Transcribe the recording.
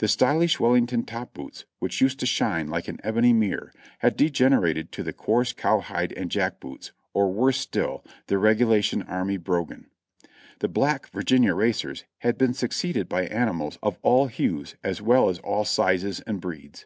The stylish Wellington top boots, wdiich used to shine like an ebony mirror, had degenerated to the coarse cowhide and jack boots, or w'orse still, the reg^ilation army bro gan. The black Virginia racers had been succeeded by animals of all hues as well as all sizes and breeds.